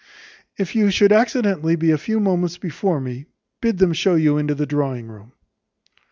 "If you should accidentally be a few moments before me, bid them show you into the drawing room."